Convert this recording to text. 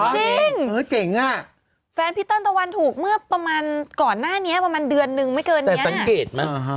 จริงหรอจริงแฟนพิเติร์นตะวันถูกเมื่อประมาณก่อนหน้านี้ประมาณเดือนนึงไม่เกินนี้แต่สังเกตมั้ย